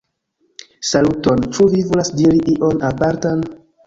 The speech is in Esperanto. Saluton, ĉu vi volas diri ion apartan?